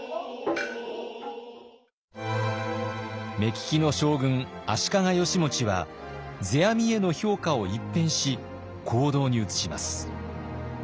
目利きの将軍足利義持は世阿弥への評価を一変し行動に移します。